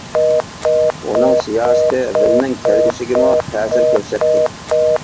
ئۇنىڭ سىياسىتى رىمنىڭ كەلگۈسىگىمۇ تەسىر كۆرسەتتى.